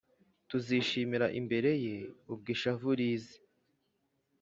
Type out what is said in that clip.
tuzishimir’ imbere ye, ubw’ ishavu rishize